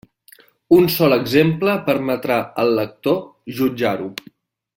Un sol exemple permetrà al lector jutjar-ho.